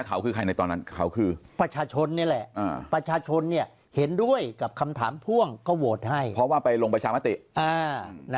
เขาคือใครค่ะเขาคือใครในตอนนั้น